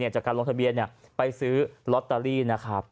จากการลงทะเบียนไปซื้อลอตเตอรี่นะครับ